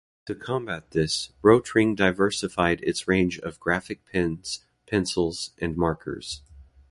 To combat this, Rotring diversified its range of graphic pens, pencils and markers.